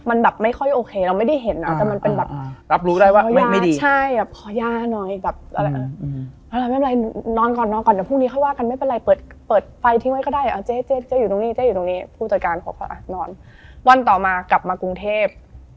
อันนี้จะเป็นแบบพูดเนี้ยแล้วก็แบบ